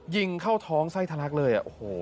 ยิงเข้าท้องไส้ทะลักษณ์เลย